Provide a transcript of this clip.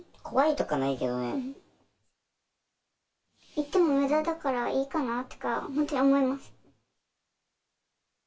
言っても無駄だからいいかなとか本当に思います。